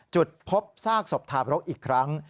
จุดพบซากศพทาบรกอีกครั้ง